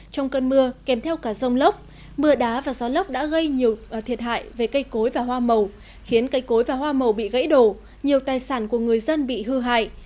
trong cơn mưa kèm theo cả rông lốc mưa đá và gió lốc đã gây nhiều thiệt hại về cây cối và hoa màu khiến cây cối và hoa màu bị gãy đổ nhiều tài sản của người dân bị hư hại